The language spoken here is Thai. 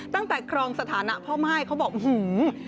ตั้งแต่ครองสถานะพ่อม่ายเขาบอกฮือ